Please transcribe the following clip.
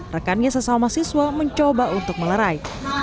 rekannya sesama siswa mencoba untuk melerai